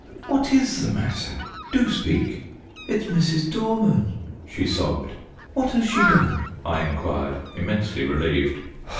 "What is the matter? Do speak." "It's Mrs. Dorman," she sobbed. "What has she done?" I inquired, immensely relieved.